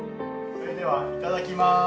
それではいただきます。